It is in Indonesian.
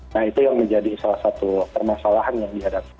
nah itu yang menjadi salah satu permasalahan yang dihadapi